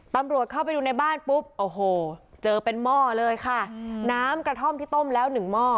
ตำรวจเข้าไปดูในบ้านปุ๊บโอ้โหเจอเป็นหม้อเลยค่ะน้ำกระท่อมที่ต้มแล้วหนึ่งหม้อ